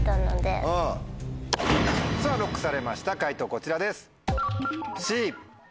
さぁＬＯＣＫされました解答こちらです。